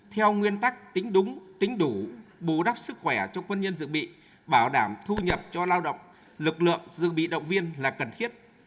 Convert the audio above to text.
theo nguyên tắc tính đúng tính đủ bù đắp sức khỏe cho quân nhân dự bị bảo đảm thu nhập cho lao động lực lượng dự bị động viên là cần thiết